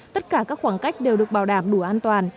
tất cả các khoảng cách đều được bảo đảm đủ an toàn